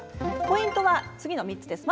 ポイントは次の３つです。